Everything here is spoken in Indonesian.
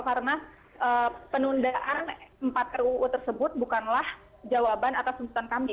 karena penundaan empat ruu tersebut bukanlah jawaban atas tuntutan kami